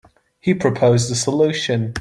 He proposed a solution.